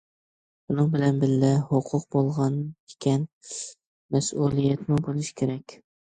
شۇنىڭ بىلەن بىللە، ھوقۇق بولغانىكەن مەسئۇلىيەتمۇ بولۇشى كېرەك.